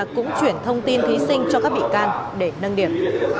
cũng chuyển thông tin thí sinh cho các bị can để nâng điểm